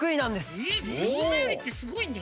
えっギョーザよりってすごいね。